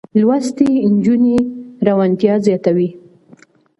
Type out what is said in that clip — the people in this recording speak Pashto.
لوستې نجونې روڼتيا زياتوي.